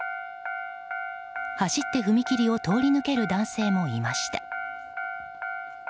走って踏切を通り抜ける男性もいました。